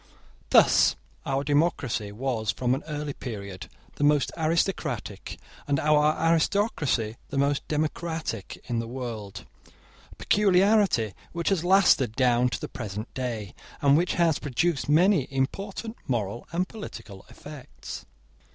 Thus our democracy was, from an early period, the most aristocratic, and our aristocracy the most democratic in the world; a peculiarity which has lasted down to the present day, and which has produced many important moral and political effects.